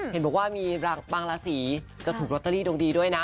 เห็นบอกว่ามีบางราศีจะถูกลอตเตอรี่ดวงดีด้วยนะ